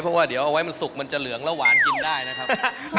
เพราะว่าเดี๋ยวเอาไว้มันสุกมันจะเหลืองแล้วหวานกินได้นะครับ